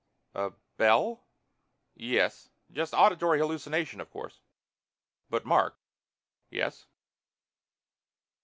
"A bell?" "Yes. Just auditory hallucination, of course." "But Mark " "Yes?"